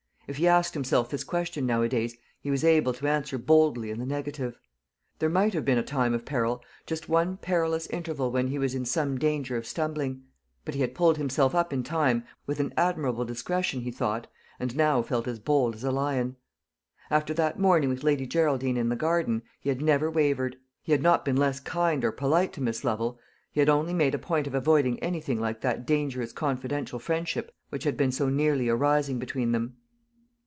If he asked himself this question nowadays, he was able to answer boldly in the negative. There might have been a time of peril, just one perilous interval when he was in some danger of stumbling; but he had pulled himself up in time, with an admirable discretion, he thought, and now felt as bold as a lion. After that morning with Lady Geraldine in the garden, he had never wavered. He had not been less kind or polite to Miss Lovel; he had only made a point of avoiding anything like that dangerous confidential friendship which had been so nearly arising between them.